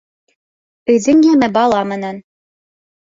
Өйҙөң йәме бала менән.